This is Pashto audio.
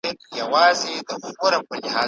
که ښې خبرې وکړو نو زړونه نه ماتیږي.